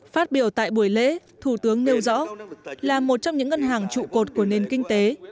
phát biểu tại buổi lễ thủ tướng nêu rõ là một trong những ngân hàng trụ cột của nền kinh tế